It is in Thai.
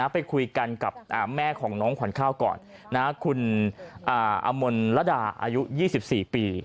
ไปคุยกันกับแม่ของน้องขวัญข้าวก่อนคุณอมลระดาอายุ๒๔ปี